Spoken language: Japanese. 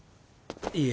いえ